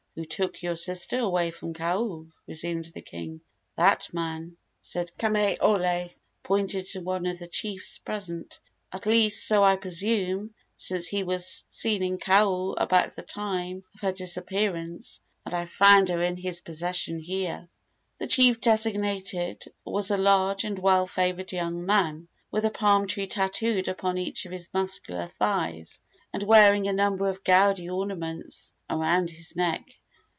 "Who took your sister away from Kau?" resumed the king. "That man," said Kamaiole, pointing to one of the chiefs present; "at least, so I presume, since he was seen in Kau about the time of her disappearance, and I found her in his possession here." The chief designated was a large and well favored young man, with a palm tree tattooed upon each of his muscular thighs, and wearing a number of gaudy ornaments around his neck.